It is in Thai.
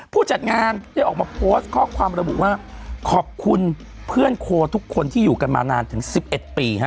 ผู้จัดงานได้ออกมาโพสต์ข้อความระบุว่าขอบคุณเพื่อนโคทุกคนที่อยู่กันมานานถึง๑๑ปีฮะ